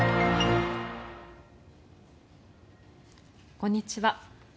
こんにちは。